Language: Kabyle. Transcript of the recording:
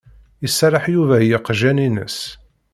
Iserreḥ Yuba i yiqjan-ines.